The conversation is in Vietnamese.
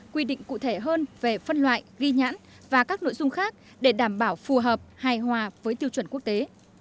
quy định cụ thể hơn về phân loại ghi nhãn và các nội dung khác để đảm bảo phù hợp hài hòa với tiêu chuẩn quốc tế